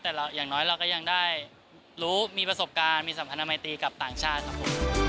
แต่อย่างน้อยเราก็ยังได้รู้มีประสบการณ์มีสัมพันธมัยตีกับต่างชาติครับผม